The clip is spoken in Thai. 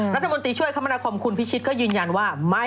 รัฐมนตรีช่วยคมนาคมคุณพิชิตก็ยืนยันว่า